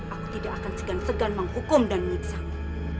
aku tidak akan segan segan menghukum dan menyiksamu